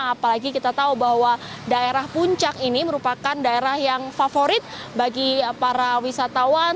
apalagi kita tahu bahwa daerah puncak ini merupakan daerah yang favorit bagi para wisatawan